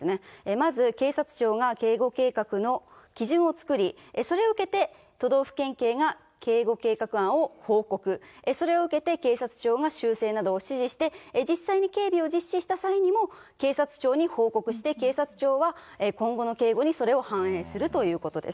まず、警察庁が警護計画の基準を作り、それを受けて、都道府県警が警護計画案を報告、それを受けて警察庁が修正などを指示して、実際に警備を実施した際にも、警察庁に報告して、警察庁は今後の警護にそれを反映するということです。